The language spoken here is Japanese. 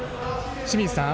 清水さん